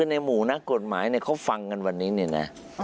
ในหมู่นักกฎหมายเขาฟังกันวันนี้เนี่ยนะ